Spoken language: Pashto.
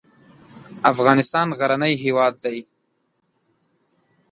افغانستان غرنی هېواد دی.